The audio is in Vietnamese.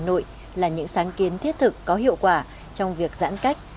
hà nội là những sáng kiến thiết thực có hiệu quả trong việc giãn cách